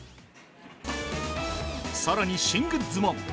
更に、新グッズも。